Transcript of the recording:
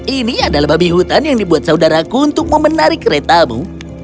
ini adalah babi hutan yang dibuat saudaraku untuk memenari keretamu